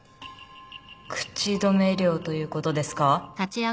口止め料ということですか？